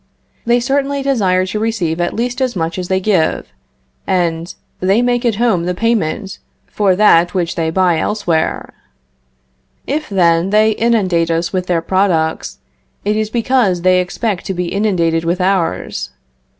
They certainly desire to receive at least as much as they give, and they make at home the payment for that which they buy elsewhere. If then, they inundate us with their products, it is because they expect to be inundated with ours.